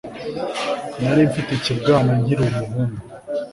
Nari mfite ikibwana nkiri umuhungu